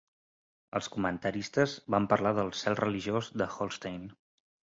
Els comentaristes van parlar del "cel religiós" de Hallstein.